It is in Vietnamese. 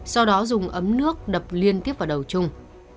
sau đó dùng ấm nước đập liên tiếp vào đầu chung